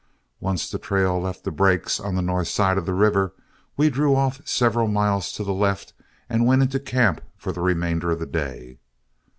Once the trail left the breaks, on the north side of the river, we drew off several miles to the left and went into camp for the remainder of the day.